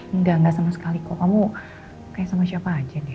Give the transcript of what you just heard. enggak enggak sama sekali kok kamu kayak sama siapa aja deh